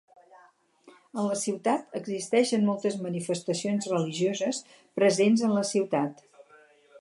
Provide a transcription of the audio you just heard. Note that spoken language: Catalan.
En la ciutat, existeixen moltes manifestacions religioses presents en la ciutat.